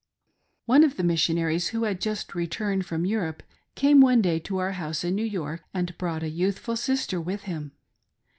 One of the Missionaries who had just returned from Europe came one day to our house in New York, and brought a youthful sister with him.